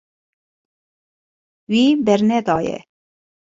Wî bernedaye.